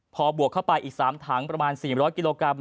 พอบวกเข้าไปอีก๓ถังประมาณ๔๐๐กิโลกรัม